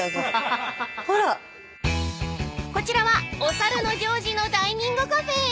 ［こちらは『おさるのジョージ』のダイニングカフェ］